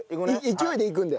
勢いでいくんで。